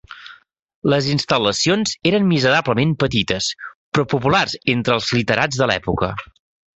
Les instal·lacions eren miserablement petites, però populars entre els literats de l'època.